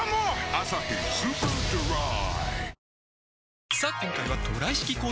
「アサヒスーパードライ」